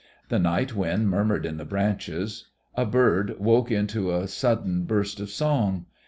The night wind murmured in the branches; a bird woke into a sudden burst of song.